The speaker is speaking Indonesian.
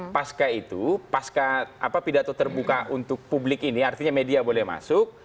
pasca itu pasca pidato terbuka untuk publik ini artinya media boleh masuk